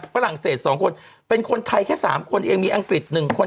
ฝรั่งเศส๒คนเป็นคนไทยแค่๓คนเองมีอังกฤษ๑คน